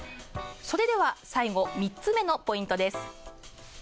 それでは最後３つ目のポイントです。